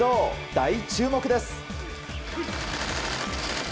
大注目です。